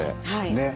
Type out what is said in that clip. ねっ。